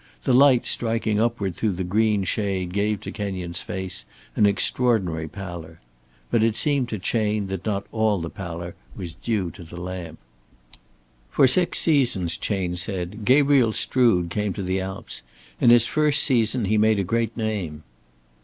The light striking upward through the green shade gave to Kenyon's face an extraordinary pallor. But it seemed to Chayne that not all the pallor was due to the lamp. "For six seasons," Chayne said, "Gabriel Strood came to the Alps. In his first season he made a great name."